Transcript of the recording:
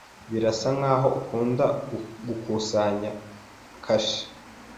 Birasa nkaho akunda gukusanya kashe.